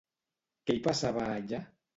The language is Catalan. Què hi passava allà?